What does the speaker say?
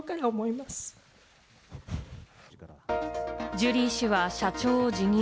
ジュリー氏は社長を辞任。